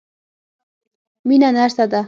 مينه نرسه ده.